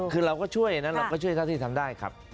คือเราก็ช่วยนะเราก็ช่วยเท่าที่ทำได้ครับ